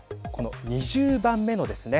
この２０番目のですね